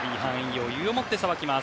余裕をもってさばきます。